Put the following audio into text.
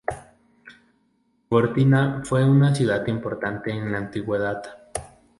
Gortina fue una ciudad importante en la Antigüedad.